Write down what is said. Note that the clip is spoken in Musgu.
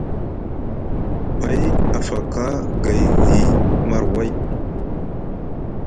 Pay a faka gay hii marway.